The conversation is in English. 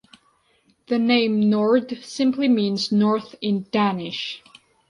The name "Nord" simply means "north" in Danish.